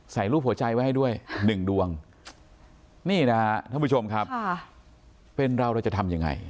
ใส่รูปหัวใจไว้ด้วย๑ดวงท่านผู้ชมครับเป็นเราจะทำยังไง